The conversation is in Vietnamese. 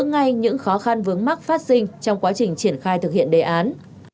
ngay những khó khăn vướng mắc phát sinh trong quá trình triển khai thực hiện đề án